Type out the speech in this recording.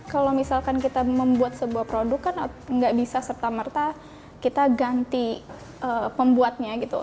kalau misalkan kita membuat sebuah produk kan nggak bisa serta merta kita ganti pembuatnya gitu